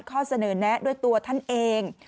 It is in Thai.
ข้อเสนอแนะด้วยตัวท่านเอง